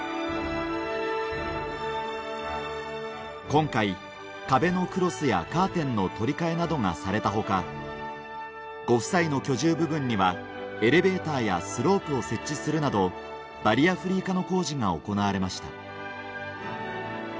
今回壁のクロスやカーテンの取り換えなどがされた他ご夫妻の居住部分にはエレベーターやスロープを設置するなどバリアフリー化の工事が行われました